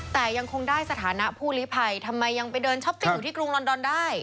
แต่ยังคงได้สถานะผู้ลิภัยทำไมยังไปเดินช้อปปิ้งอยู่ที่กรุงลอนดอนได้